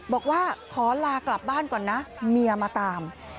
บอกว่าขอลากลับบ้านก่อนนะเมียมาตาม